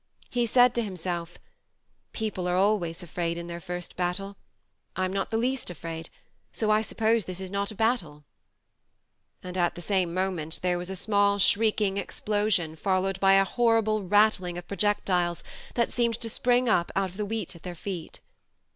He said to himself :" People are always afraid in their first battle. I'm not the least afraid, so I suppose this is not a battle "... and at the same moment there THE MARNE 129 was a small shrieking explosion followed by a horrible rattle of projectiles that seemed to spring up out of the wheat at their feet.